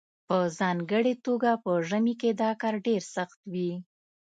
په ځانګړې توګه په ژمي کې دا کار ډیر سخت وي